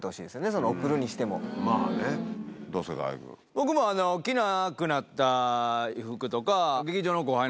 僕も着なくなった服とか。